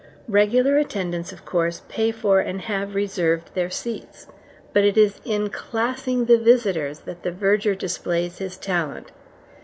Regular attendants, of course, pay for and have reserved their seats, but it is in classing the visitors that the verger displays his talent.